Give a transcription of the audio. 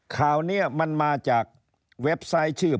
ข่าวนี้มันมาจากเว็บไซต์ชื่อ